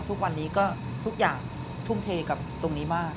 ทุกวันนี้ก็ทุกอย่างทุ่มเทกับตรงนี้มาก